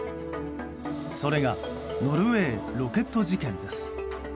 それがノルウェー・ロケット事件です。